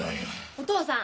お父さん！